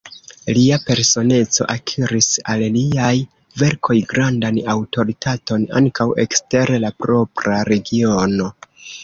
Lia personeco akiris al liaj verkoj grandan aŭtoritaton ankaŭ ekster la propra regiono.